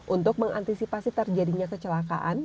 untuk mengantisipasi terjadinya kecelakaan